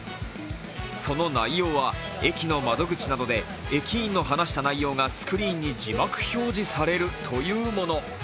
その内容は、駅の窓口などで駅員の話した内容がスクリーンに字幕表示されるというもの。